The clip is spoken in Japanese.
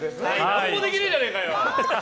何もできねえじゃねえかよ！